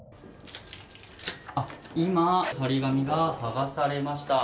今、貼り紙が剥がされました。